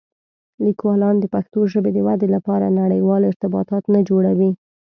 لیکوالان د پښتو ژبې د ودې لپاره نړيوال ارتباطات نه جوړوي.